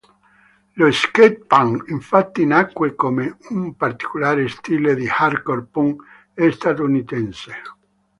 Lo skate punk infatti nacque come un particolare stile di hardcore punk statunitense.